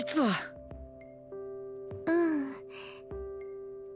うん。